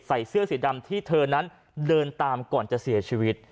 เสื้อสีดำที่เธอนั้นเดินตามก่อนจะเสียชีวิต